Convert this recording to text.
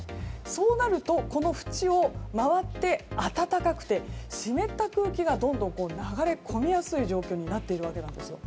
そうなると、この縁を回って暖かくて湿った空気がどんどん流れ込みやすい状況になっているわけなんです。